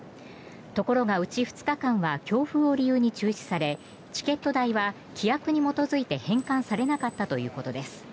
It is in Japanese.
ところが、うち２日間は強風を理由に中止されチケット代は規約に基づいて返還されなかったということです。